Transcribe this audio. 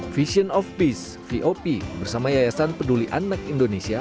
vision of peace vop bersama yayasan peduli anak indonesia